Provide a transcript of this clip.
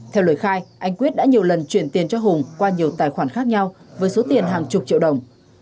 theo lời khai anh quyết đã nhiều lần chuyển tiền cho hùng qua nhiều tài khoản khác nhau với số tiền hàng chục triệu đồng